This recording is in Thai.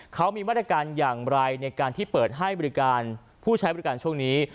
เขามีมาตรการอย่างไรในการที่เปิดให้บริการผู้ใช้บริการช่วงนี้